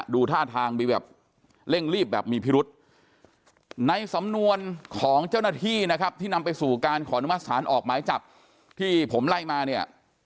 ดูท่าทางมีแบบเร่งรีบแบบมีพิรุษในสำนวนของเจ้าหน้าที่นะครับที่นำไปสู่การขออนุมัติศาลออกหมายจับที่ผมไล่มาเนี่ย